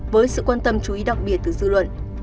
với sự quan tâm chú ý đặc biệt từ dư luận